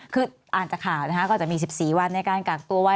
คืออ่านจากข่าวนะคะก็จะมี๑๔วันในการกักตัวไว้